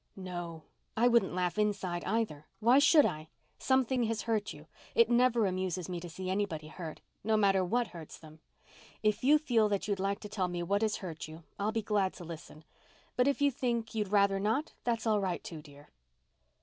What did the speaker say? "No, I wouldn't laugh inside, either. Why should I? Something has hurt you—it never amuses me to see anybody hurt, no matter what hurts them. If you feel that you'd like to tell me what has hurt you I'll be glad to listen. But if you think you'd rather not—that's all right, too, dear."